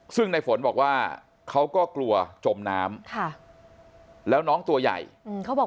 ซึ่งในฝนบอกว่าเขาก็กลัวจมน้ำแล้วน้องตัวใหญ่เขาบอก